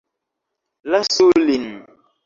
Lasu lin!